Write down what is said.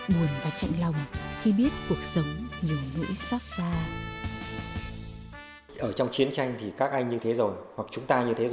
buồn và chạnh lòng khi biết cuộc sống